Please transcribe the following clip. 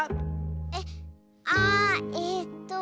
えっあえっと。